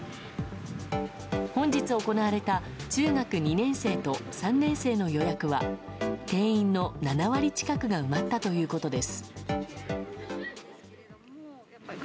本日行われた中学２年生と３年生の予約は定員の７割近くが埋まったということです。